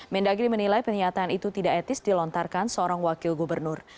mendagri menilai pernyataan itu tidak etis dilontarkan seorang wakil gubernur